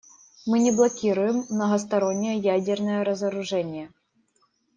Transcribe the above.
Мы не блокируем многостороннее ядерное разоружение.